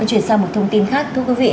chuyển sang một thông tin khác thưa quý vị